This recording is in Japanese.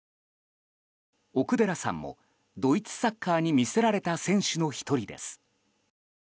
奥寺さんもドイツサッカーに魅せられた選手の１人です。